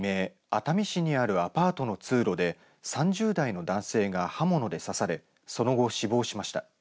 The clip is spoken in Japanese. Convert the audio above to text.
熱海市にあるアパートの通路で３０代の男性が刃物で刺されその後、死亡しました。